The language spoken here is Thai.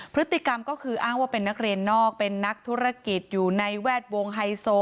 พฤติกรรมก็คืออ้างว่าเป็นนักเรียนนอกเป็นนักธุรกิจอยู่ในแวดวงไฮโซ